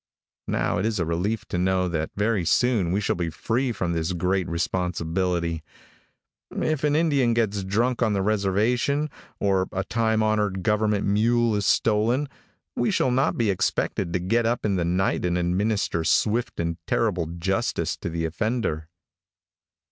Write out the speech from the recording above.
Now it is a relief to know that very soon we shall be free from this great responsibility. If an Indian gets drunk on the reservation, or a time honored government mule is stolen, we shall not be expected to get up in the night and administer swift and terrible justice to the offender.